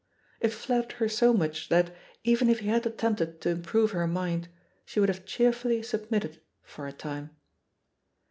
It flat tered her so much that, even if he had attempted to improve her mind, she would have cheerfully submitted for a time.